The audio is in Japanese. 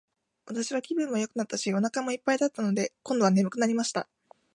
私は気分もよくなったし、お腹も一ぱいだったので、今度は睡くなりました。